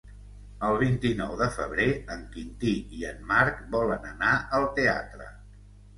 El vint-i-nou de febrer en Quintí i en Marc volen anar al teatre.